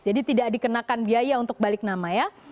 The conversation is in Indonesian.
jadi tidak dikenakan biaya untuk balik nama ya